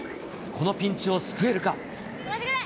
このピンチを救えるか。